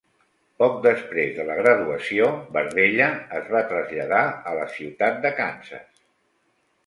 Poc després de la graduació, Berdella es va traslladar a la ciutat de Kansas.